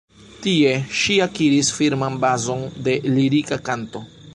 Tie, ŝi akiris firman bazon de lirika kanto.